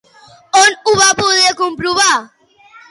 On ho va poder comprovar?